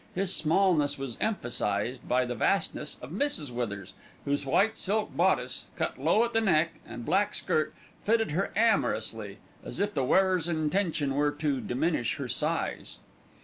His smallness was emphasised by the vastness of Mrs. Withers, whose white silk bodice, cut low at the neck, and black skirt, fitted her amorously, as if the wearer's intention were to diminish her size.